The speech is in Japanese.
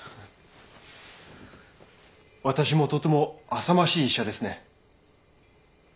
私もとてもあさましい医者ですね。